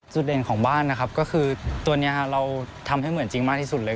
เด่นของบ้านนะครับก็คือตัวนี้เราทำให้เหมือนจริงมากที่สุดเลย